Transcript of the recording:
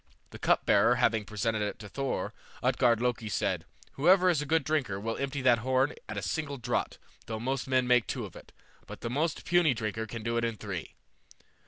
The cupbearer having presented it to Thor, Utgard Loki said, "Whoever is a good drinker will empty that horn at a single draught, though most men make two of it, but the most puny drinker can do it in three."